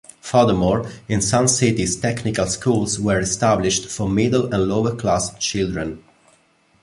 Furthermore, in some cities technical schools were established for middle and lower class children.